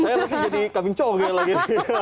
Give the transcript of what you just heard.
saya lagi jadi kambing cowok lagi